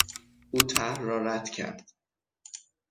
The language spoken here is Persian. او طرح را رد کرد.